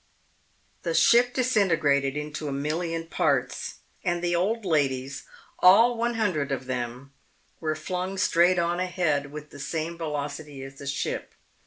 The ship disintegrated into a million parts, and the old ladies, all one hundred of them, were flung straight on ahead with the same velocity as the ship.